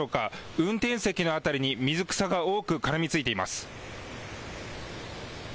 運転席の辺りに水草が多く絡みついています。